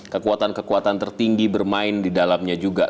kekuatan kekuatan tertinggi bermain di dalamnya juga